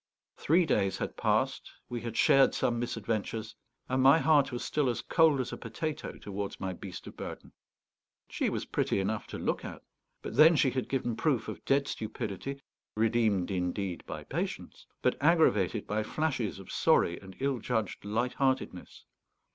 Three days had passed, we had shared some misadventures, and my heart was still as cold as a potato towards my beast of burden. She was pretty enough to look at; but then she had given proof of dead stupidity, redeemed indeed by patience, but aggravated by flashes of sorry and ill judged light heartedness.